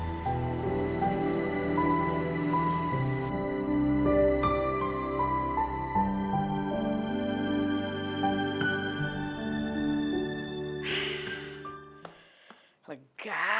aku pengen ke rumah